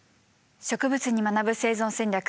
「植物に学ぶ生存戦略」。